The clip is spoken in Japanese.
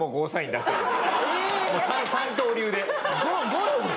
ゴルフ？